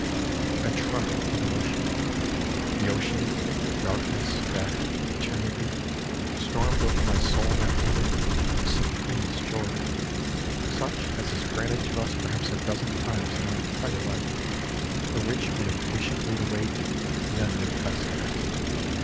I trembled with emotion. The ocean, darkness, death, eternity, stormed over my soul in that moment of suprem est joy, such as is granted to us perhaps a dozen times in our entire life, for which we have patiently to wait, and then make the best of it.